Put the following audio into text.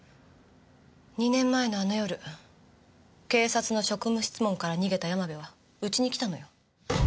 ２年前のあの夜警察の職務質問から逃げた山部はうちに来たのよ。